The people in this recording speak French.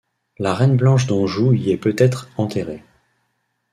La reine Blanche d'Anjou y est peut-être enterrée.